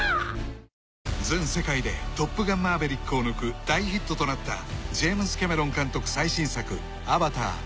全世界で『トップガンマーヴェリック』を抜く大ヒットとなったジェームズ・キャメロン監督